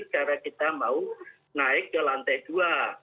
karena kita mau naik ke lantai dua